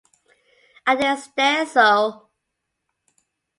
And they stared so!